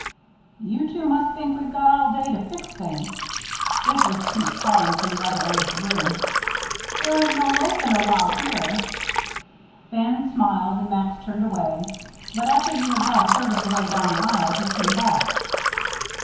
"You two must think we've got all day to fix things." It was Pete calling from the other end of the room. "There ain't no loafing allowed here." Bannon smiled, and Max turned away. But after he had got a third of the way down the aisle, he came back.